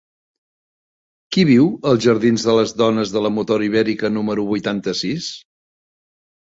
Qui viu als jardins de les Dones de la Motor Ibèrica número vuitanta-sis?